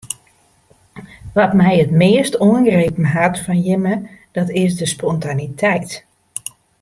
Wat my it meast oangrepen hat fan jimme dat is de spontaniteit.